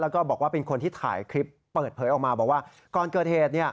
แล้วก็บอกว่าเป็นคนที่ถ่ายคลิปเปิดเผยออกมาบอกว่าก่อนเกิดเหตุ